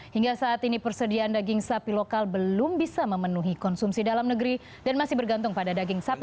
hingga saat ini persediaan daging sapi lokal belum bisa memenuhi konsumsi dalam negeri dan masih bergantung pada daging sapi